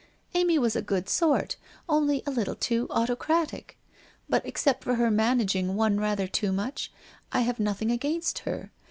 Amy was a good sort, only a little too autocratic. But except for her managing one rather too much, I have nothing against her.